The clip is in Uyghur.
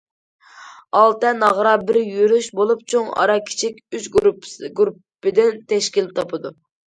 ئالتە ناغرا بىر يۈرۈش بولۇپ، چوڭ، ئارا، كىچىك ئۈچ گۇرۇپپىدىن تەشكىل تاپىدۇ.